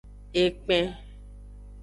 Ekpen.